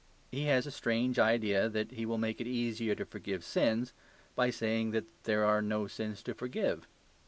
He has a strange idea that he will make it easier to forgive sins by saying that there are no sins to forgive.